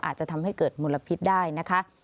อาจจะทำให้เกิดมลพิษได้นะคะ